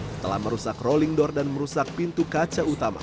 setelah merusak rolling door dan merusak pintu kaca utama